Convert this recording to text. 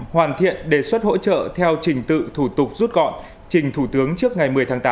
hoàn thiện đề xuất hỗ trợ theo trình tự thủ tục rút gọn trình thủ tướng trước ngày một mươi tháng tám